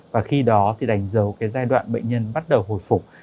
và khi đó thì đánh dấu cái giai đoạn bệnh nhân bắt đầu hồi phục